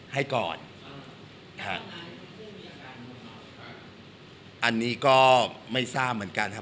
ในเวลานั้นติดต้องทำกับน้องผู้หญิง